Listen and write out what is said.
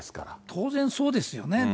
当然そうですよね。